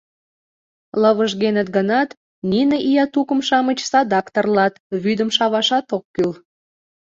Лывыжгеныт гынат, нине ия тукым-шамыч садак тырлат, вӱдым шавашат ок кӱл.